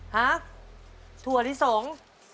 ฮะถั่วลิสง